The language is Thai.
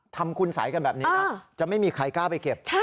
ทำคุณสัยกันแบบนี้นะจะไม่มีใครกล้าไปเก็บ